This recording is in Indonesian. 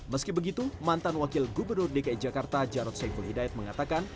meski begitu mantan wakil gubernur dki jakarta jarod saiful hidayat mengatakan